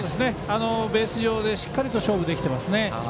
ベース上でしっかり勝負できていますね。